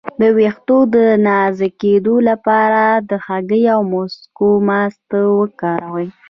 د ویښتو د نازکیدو لپاره د هګۍ او مستو ماسک وکاروئ